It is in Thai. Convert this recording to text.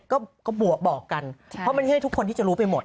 ก็บวกบอกกันเพราะไม่ใช่ทุกคนที่จะรู้ไปหมด